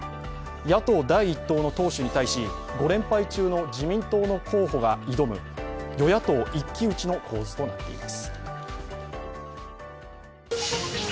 野党第１党の党首に対し５連敗中の自民党の候補が挑む与野党一騎打ちの構図となっています。